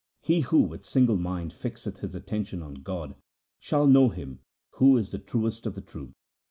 He who with single mind fixeth his attention on God, shall know Him who is the truest of the true.